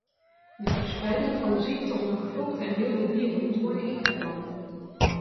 De verspreiding van de ziekte onder gefokte en wilde dieren moet worden ingedamd.